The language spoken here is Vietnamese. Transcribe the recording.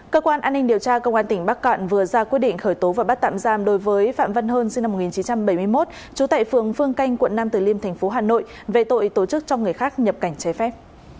cơ quan an ninh điều tra công an tỉnh bắc cạn vừa ra quyết định khởi tố và bắt tạm giam đối với phạm văn hơn sinh năm một nghìn chín trăm bảy mươi một trú tại phường phương canh quận nam từ liêm thành phố hà nội về tội tổ chức cho người khác nhập cảnh trái phép